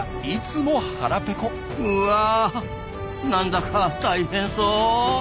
うわなんだか大変そう。